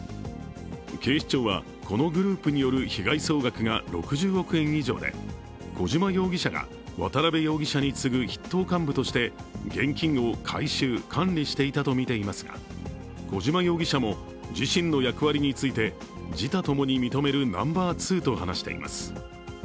警視庁はこのグループによる被害総額が６０億円以上で、小島容疑者が渡辺容疑者に次ぐ筆頭幹部として現金を回収・管理していたとみられていますが小島容疑者も自身の役割について、自他ともに認めるナンバー２と話しています。